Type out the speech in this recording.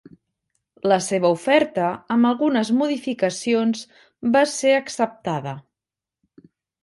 La seva oferta, amb algunes modificacions, va ser acceptada.